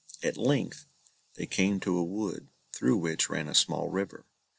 At length, they came to a wood, through which ran a small river.